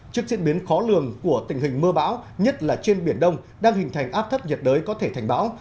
trước diễn biến khó lường của tình hình mưa bão nhất là trên biển đông đang hình thành áp thấp nhiệt đới có thể thành bão